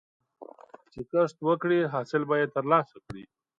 چې کښت وکړې، حاصل به یې ترلاسه کړې.